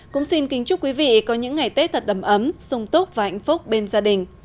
cũng xin kính chúc quý vị có những ngày tết thật đầm ấm sung túc và hạnh phúc bên gia đình